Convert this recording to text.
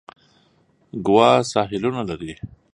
ګوا ساحلونه لري.